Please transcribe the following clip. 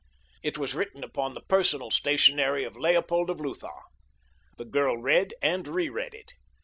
It was written upon the personal stationery of Leopold of Lutha. The girl read and reread it.